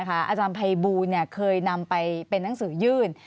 อาจารย์ภัยบูลเคยนำไปเป็นนังสือยื่น